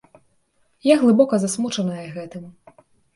Я глыбока засмучаная гэтым.